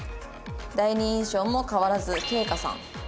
第二印象も変わらず圭叶さん。